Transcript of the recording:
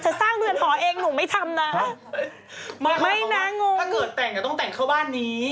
สร้างเรือนหอเองหนูไม่ทำนะไม่นะงงถ้าเกิดแต่งจะต้องแต่งเข้าบ้านนี้